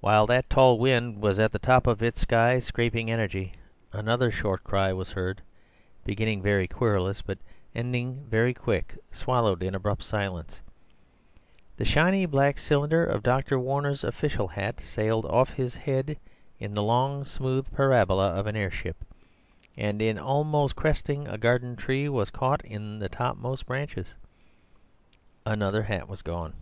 While that tall wind was at the top of its sky scraping energy, another short cry was heard, beginning very querulous, but ending very quick, swallowed in abrupt silence. The shiny black cylinder of Dr. Warner's official hat sailed off his head in the long, smooth parabola of an airship, and in almost cresting a garden tree was caught in the topmost branches. Another hat was gone.